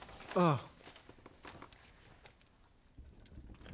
ああ